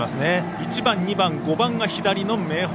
１番、２番、５番が左の明豊。